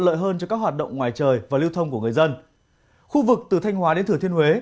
lợi hơn cho các hoạt động ngoài trời và lưu thông của người dân khu vực từ thanh hóa đến thừa thiên huế